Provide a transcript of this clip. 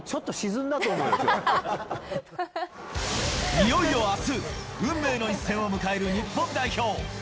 いよいよあす、運命の一戦を迎える日本代表。